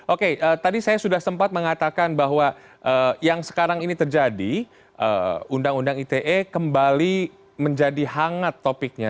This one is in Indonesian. oke tadi saya sudah sempat mengatakan bahwa yang sekarang ini terjadi undang undang ite kembali menjadi hangat topiknya